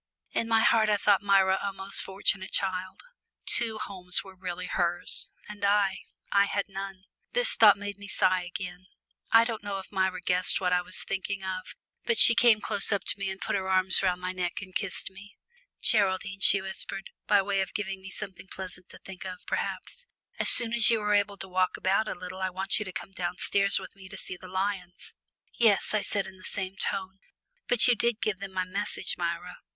In my heart I thought Myra a most fortunate child two homes were really hers; and I I had none. This thought made me sigh again. I don't know if Myra guessed what I was thinking of, but she came close up to me and put her arms round my neck and kissed me. "Geraldine," she whispered, by way of giving me something pleasant to think of, perhaps, "as soon as you are able to walk about a little I want you to come downstairs with me to see the lions." "Yes," I said in the same tone, "but you did give them my message, Myra?"